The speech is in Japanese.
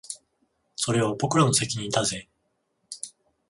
それは僕らの責任だぜ